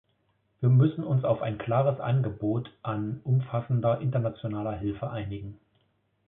Wir müssen uns auf ein klares Angebot an umfassender internationaler Hilfe einigen.